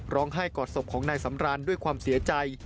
กอดศพของนายสำรานด้วยความเสียใจ